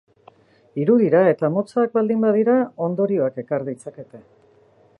Hiru dira eta motzak baldin badira, ondorioak ekar ditzakete.